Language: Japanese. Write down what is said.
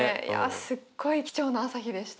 すっごい貴重な朝日でした。